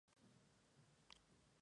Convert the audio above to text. Solo por eso, sigue utilizándolo.